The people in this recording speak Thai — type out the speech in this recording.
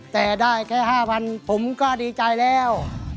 แต่ได้แค่๕๐๐๐ผมก็ดีใจแล้ว